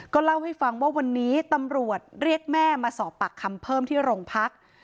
เล่าให้ฟังว่าวันนี้ตำรวจเรียกแม่มาสอบปากคำเพิ่มที่โรงพัก